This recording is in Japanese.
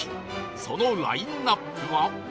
そのラインアップは